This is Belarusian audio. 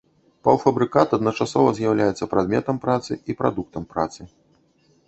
Паўфабрыкат адначасова з'яўляецца прадметам працы і прадуктам працы.